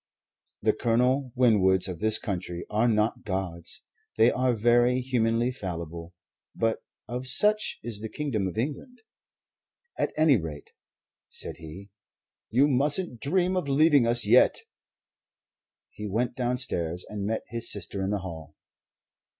The Colonel Winwoods of this country are not gods; they are very humanly fallible; but of such is the Kingdom of England. "At any rate," said he, "you mustn't dream of leaving us yet." He went downstairs and met his sister in the hall.